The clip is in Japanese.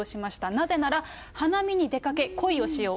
なぜなら、花見に出かけ恋をしよう。